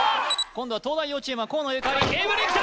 今度は東大王チームは河野ゆかりエブリンきた！